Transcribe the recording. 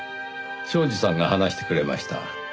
庄司さんが話してくれました。